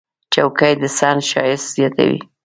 چوکۍ د صحن ښایست زیاتوي.